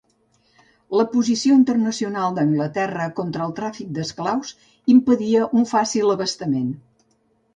La posició internacional d'Anglaterra contra el tràfic d'esclaus impedia un fàcil abastament.